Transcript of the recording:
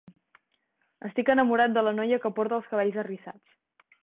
Estic enamorat de la noia que porta els cabells arrissats.